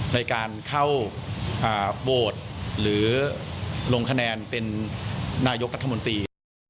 ในการเข้าโหวตหรือลงคะแนนเป็นนายกรัฐมนตรี